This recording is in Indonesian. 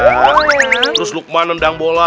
terus lukman nendang bola